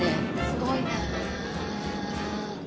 すごいなあ。